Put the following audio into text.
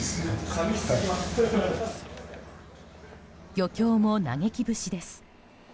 漁協も嘆き節です。